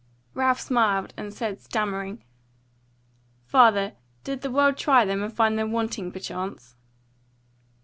Ralph smiled, and said stammering: "Father, did the world try them, and find them wanting perchance?"